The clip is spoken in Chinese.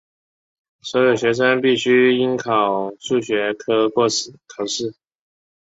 所有学生必须应考数学科考试。